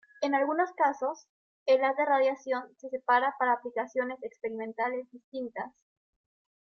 En algunos casos, el haz de radiación se separa para aplicaciones experimentales distintas.